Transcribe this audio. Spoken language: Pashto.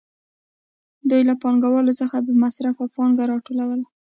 دوی له پانګوالو څخه بې مصرفه پانګه راټولوي